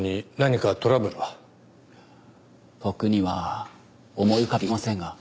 僕には思い浮かびませんが。